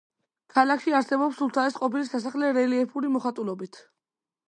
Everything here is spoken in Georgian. ქალაქში არსებობს სულთანის ყოფილი სასახლე რელიეფური მოხატულობით.